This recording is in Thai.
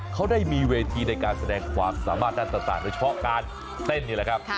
เขาได้มีเวทีในการแสดงความสามารถด้านต่างโดยเฉพาะการเต้นนี่แหละครับ